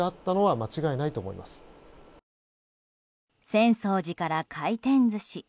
浅草寺から回転寿司。